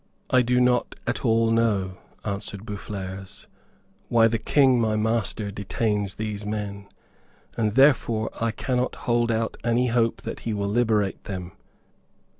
"I do not at all know," answered Boufflers, "why the King my master detains those men; and therefore I cannot hold out any hope that he will liberate them.